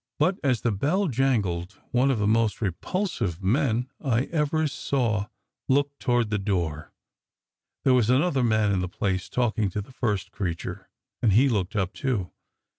But as the bell jangled, one of the most repulsive men I ever saw looked toward the door. There was another man in the place, talking to the first creature, and he looked up, too.